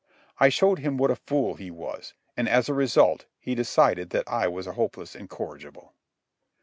I showed him what a fool he was, and as a result he decided that I was a hopeless incorrigible.